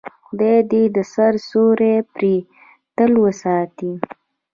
خدای دې د سر سیوری پرې تل وساتي.